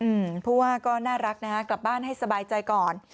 เพราะว่าก็น่ารักนะฮะกลับบ้านให้สบายใจก่อน